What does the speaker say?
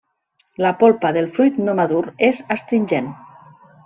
La polpa del fruit no madur és astringent.